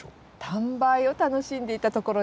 探梅を楽しんでいたところです。